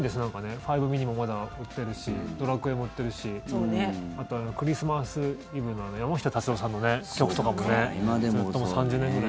ファイブミニもまだ売ってるし「ドラクエ」も売ってるしあと、クリスマスイブの山下達郎さんの曲とかもずっと３０年ぐらい。